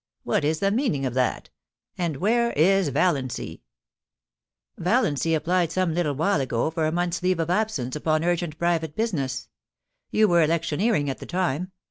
What is the meaning of that ? and where is Valiancy ?* 'Valiancy applied some little while ago for a month's leave of absence upon urgent private business. You were electioneering at the time.